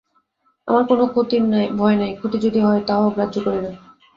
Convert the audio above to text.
আমার কোন ক্ষতির ভয় নাই, ক্ষতি যদি হয় তাহাও গ্রাহ্য করি না।